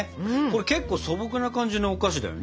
結構素朴な感じのお菓子だよね。